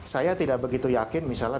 saya tidak begitu yakin misalnya